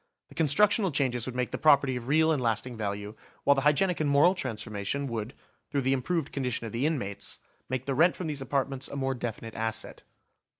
The constructional changes would make the property of real and lasting value, while the hygienic and moral transformation would, through the improved condition of the inmates, make the rent from these apartments a more definite asset.